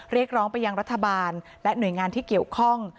เรียกร้องไปยังรัฐบาลและหน่วยงานที่เกี่ยวข้อง